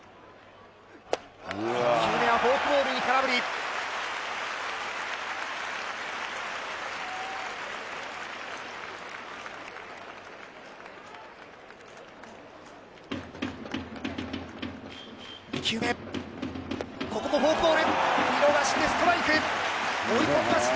１球目はフォークボールに空振り２球目ここもフォークボール見逃しでストライク追い込みました